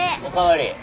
お代わり。